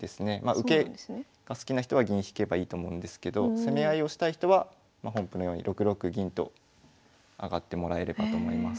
受けが好きな人は銀引けばいいと思うんですけど攻め合いをしたい人は本譜のように６六銀と上がってもらえればと思います。